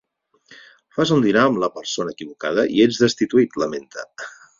Fas un dinar amb la “persona equivocada” i ets destituït, lamenta.